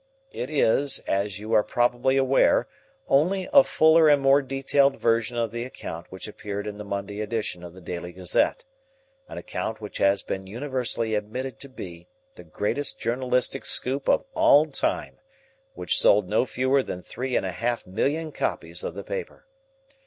It is, as you are probably aware, only a fuller and more detailed version of the account which appeared in the Monday edition of the Daily Gazette an account which has been universally admitted to be the greatest journalistic scoop of all time, which sold no fewer than three and a half million copies of the paper.